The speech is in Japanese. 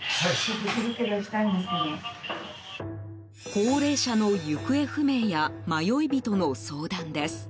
高齢者の行方不明や迷い人の相談です。